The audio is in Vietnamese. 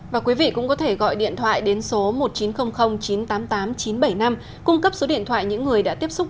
và quý vị cũng có thể gọi điện thoại đến số một nghìn chín trăm linh chín trăm tám mươi tám chín trăm bảy mươi năm cung cấp số điện thoại những người đã tiếp xúc